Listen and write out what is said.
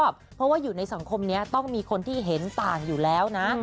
เพราะว่าอยู่ในสังคมนี้ต้องมีคนที่เห็นต่างอยู่แล้วนะ